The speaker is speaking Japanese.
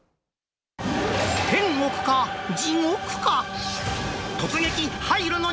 天国か、地獄か？